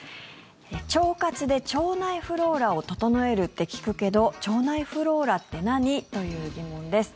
腸活で腸内フローラを整えるって聞くけど腸内フローラって何？という疑問です。